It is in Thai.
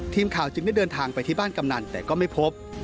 ทีมข่าวจึงได้เดินทางไปที่บ้านกำนันแต่ก็ไม่พบ